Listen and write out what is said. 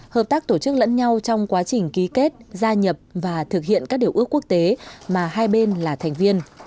hợp tác tổ chức lẫn nhau trong quá trình ký kết gia nhập và thực hiện các điều ước quốc tế mà hai bên là thành viên